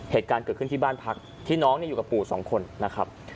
เหตุการณ์เกิดขึ้นที่บ้านพักที่น้องอยู่กับปู่สองคนนะครับ